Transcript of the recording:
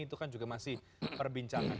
itu kan juga masih perbincangan